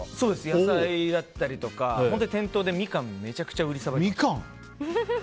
野菜だったりとか店頭でミカンをめちゃくちゃ売りさばいてました。